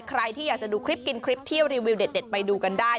ใครที่อยากจะดูคลิปกินคลิปเที่ยวรีวิวเด็ดไปดูกันได้